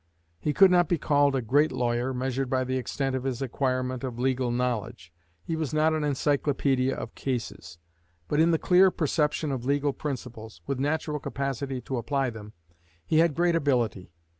He could not be called a great lawyer, measured by the extent of his acquirement of legal knowledge; he was not an encyclopædia of cases; but in the clear perception of legal principles, with natural capacity to apply them, he had great ability.